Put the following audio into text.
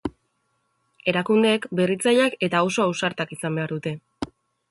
Erakundeek berritzaileak eta oso ausartak izan behar dute.